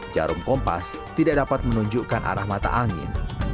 jarum kompas tidak dapat menunjukkan arah mata angin